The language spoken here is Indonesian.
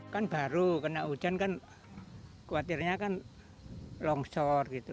kan baru kena hujan kan khawatirnya kan longsor gitu